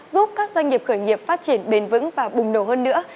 giúp các doanh nghiệp khởi nghiệp phát triển bền vững và bùng nổ hơn nữa